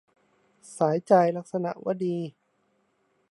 สายใจ - ลักษณวดี